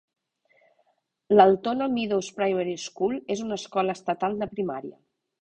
L'Altona Meadows Primary School és una escola estatal de primària.